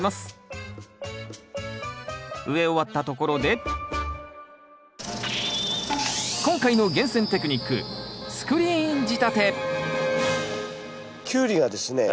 植え終わったところで今回の厳選テクニックキュウリがですね